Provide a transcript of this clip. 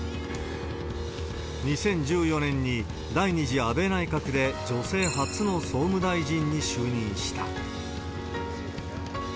２０１４年に、第２次安倍内閣で女性初の総務大臣に就任した。